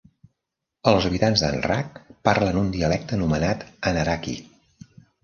Els habitants d'Anrak parlen un dialecte anomenat Anaraki.